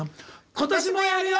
「今年もやるよ！